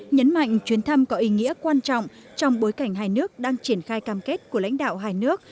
nhấn mạnh chuyến thăm có ý nghĩa quan trọng trong bối cảnh hai nước đang triển khai cam kết của lãnh đạo hai nước